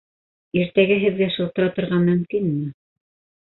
Иртәгә һеҙгә шылтыратырға мөмкинме?